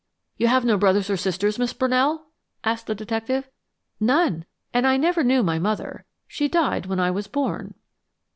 "You have no brothers or sisters, Miss Brunell?" asked the detective. "None and I never knew my mother. She died when I was born."